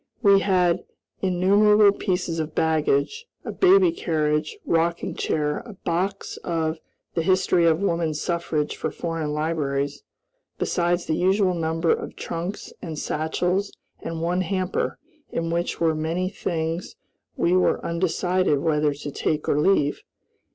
We had innumerable pieces of baggage, a baby carriage, rocking chair, a box of "The History of Woman Suffrage" for foreign libraries, besides the usual number of trunks and satchels, and one hamper, in which were many things we were undecided whether to take or leave.